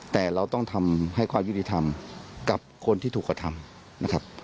แต่เราต้องทำให้ความยุติธรรมกับคนที่ถูกกระทำนะครับ